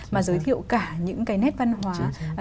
mà giới thiệu cả những cái nét văn hóa